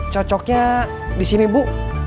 cocoknya disini bu